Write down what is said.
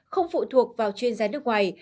không phụ thuộc vào chuyên gia nước ngoài